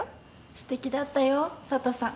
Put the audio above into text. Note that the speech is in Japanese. すてきだったよ佐都さん。